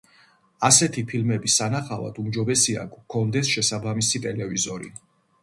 ასეთი ფილმების სანახავად უმჯობესია გვქონდეს შესაბამისი ტელევიზორი.